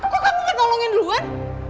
kok kamu gak tolongin duluan